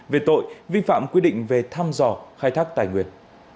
về tội vi phạm quy định về thăm dò khai thác tài nguyên